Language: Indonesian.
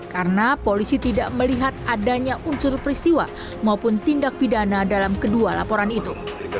karena polisi tidak melihat adanya unsur peristiwa maupun tindak pidana dalam kedua laporan itu